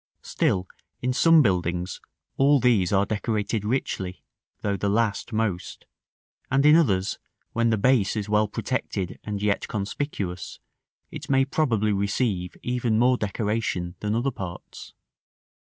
Still, in some buildings, all these are decorated richly, though the last most; and in others, when the base is well protected and yet conspicuous, it may probably receive even more decoration than other parts.